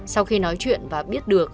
sau khi nói chuyện và biết được